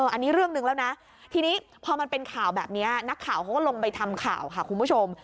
อันนี้เรื่องหนึ่งแล้วนะทีนี้พอมันเป็นข่าวแบบนี้นักข่าวเขาก็ลงไปทำข่าวค่ะคุณผู้ชม